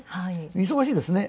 忙しいですね。